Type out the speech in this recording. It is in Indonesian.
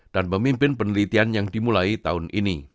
dan memimpin penelitian yang dimulai tahun ini